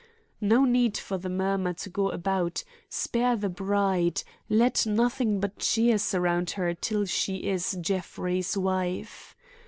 No need for the murmur to go about, 'Spare the bride! Let nothing but cheer surround her till she is Jeffrey's wife!